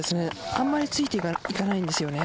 あまりついていかないんですよね。